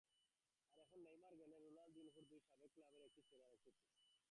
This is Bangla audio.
আর এখন নেইমার গেলেন রোনালদিনহোরই দুই সাবেক ক্লাবের একটি ছেড়ে আরেকটিতে।